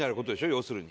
要するに。